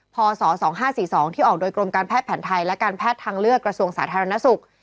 พศ๒๕๔๒ที่ออกโดยกรมการแพทย์แผนไทยและการแพทย์ทางเลือกกระทรวงสาธารณสุข